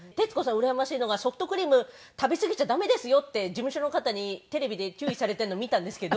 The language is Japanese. うらやましいのが「ソフトクリーム食べ過ぎちゃ駄目ですよ」って事務所の方にテレビで注意されてるの見たんですけど